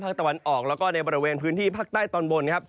แล้วก็ในบริเวณพื้นที่ภาคใต้ตอนบน